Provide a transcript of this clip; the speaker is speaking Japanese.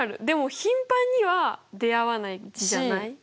でも頻繁には出会わない字じゃない？